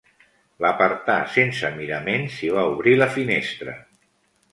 L'apartà sense miraments i va obrir la finestra.